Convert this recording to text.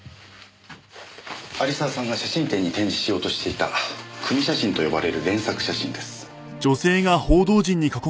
有沢さんが写真展に展示しようとしていた組み写真と呼ばれる連作写真です。